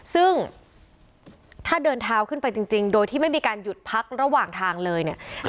ซึ่งถ้าเดินเท้าขึ้นไปจริงโดยที่ไม่มีการหยุดพักระหว่างทางเลยเนี่ย